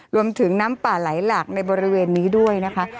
น้ำป่าไหลหลากในบริเวณนี้ด้วยนะคะ